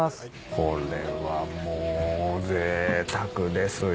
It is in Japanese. これはもうぜいたくですよ。